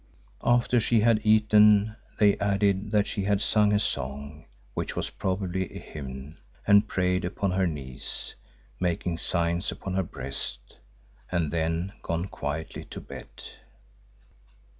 After she had eaten, they added that she had "sung a song," which was probably a hymn, and prayed upon her knees, "making signs upon her breast" and then gone quietly to bed.